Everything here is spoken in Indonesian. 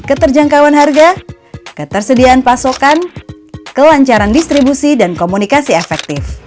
keterjangkauan harga ketersediaan pasokan kelancaran distribusi dan komunikasi efektif